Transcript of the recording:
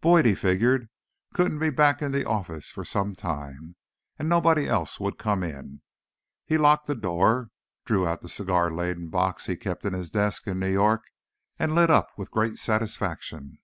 Boyd, he figured, couldn't be back in the office for some time, and nobody else would come in. He locked the door, drew out the cigar laden box he kept in his desk in New York, and lit up with great satisfaction.